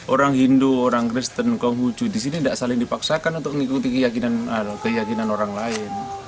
orang hindu orang kristen konghucu di sini tidak saling dipaksakan untuk mengikuti keyakinan orang lain